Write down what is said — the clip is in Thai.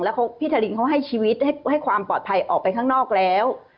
แล้วพี่ทารินเขาให้ชีวิตให้ความปลอดภัยออกไปข้างนอกแล้ว